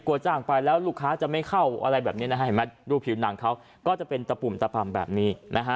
กลัวจ้างไปแล้วลูกค้าจะไม่เข้าอะไรแบบนี้ดูผิวหนังเขาก็จะเป็นตะปุ่มตะปับแบบนี้